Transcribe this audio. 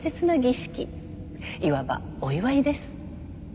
いわばお祝いです。